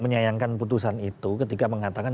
menyayangkan putusan itu ketika mengatakan